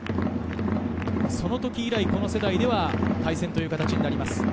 その時以来、この世代では対戦という形になります。